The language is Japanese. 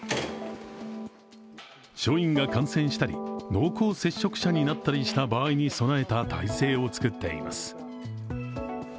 署員が感染したり、濃厚接触者になったりした場合に備えた体制を作っています。